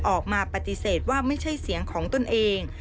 ออกมาปฏิเสธว่าไม่ใช่เสียงของตนเอง